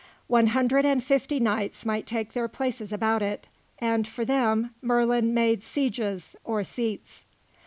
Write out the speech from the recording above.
One hundred and fifty knights might take their places about it, and for them Merlin made sieges, or seats.